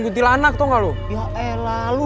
kuntilanak tau gak lu